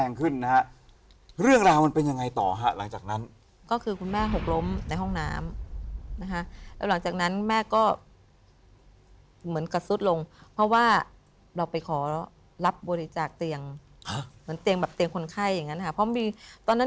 เช้าวันนั้นและหลักจากนั่นเตียงเข้ามาที่บ้าน